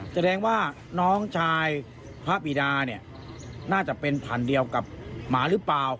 แสดงว่าน้องชายพระบิดาเนี่ยน่าจะเป็นผันเดียวกับหมาหรือเปล่า